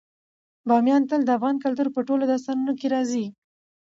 بامیان تل د افغان کلتور په ټولو داستانونو کې راځي.